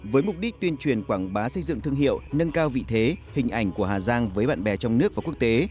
với mục đích tuyên truyền quảng bá xây dựng thương hiệu nâng cao vị thế hình ảnh của hà giang với bạn bè trong nước và quốc tế